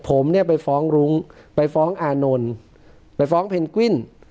ผมเนี่ยไปฟ้องรุ้งไปฟ้องอานนท์ไปฟ้องเพนกวิน